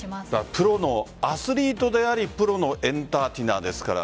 プロのアスリートでありプロのエンターテイナーですから